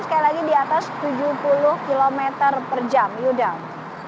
sekali lagi di atas tujuh puluh km per jam yuda